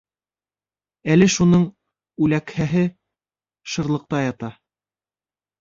Әле шуның үләкһәһе шырлыҡта ята.